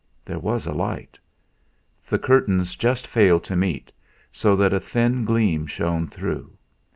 There was a light. The curtains just failed to meet, so that a thin gleam shone through.